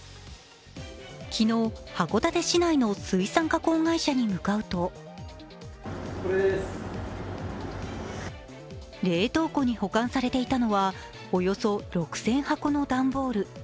昨日、函館市内の水産加工会社に向かうと冷凍庫に保管されていたのはおよそ６０００箱の段ボール。